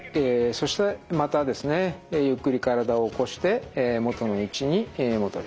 そしてまたですねゆっくり体を起こして元の位置に戻ります。